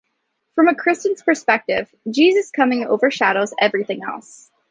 From a Christian perspective, Jesus’ coming overshadows everything else.